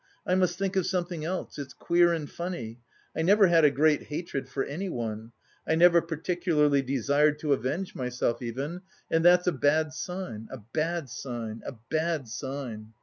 "I must think of something else. It's queer and funny. I never had a great hatred for anyone, I never particularly desired to avenge myself even, and that's a bad sign, a bad sign, a bad sign.